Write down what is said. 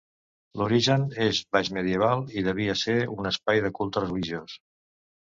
L'origen és baix-medieval i devia ser un espai de culte religiós.